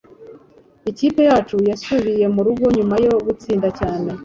Ikipe yacu yasubiye murugo nyuma yo gutsinda cyane.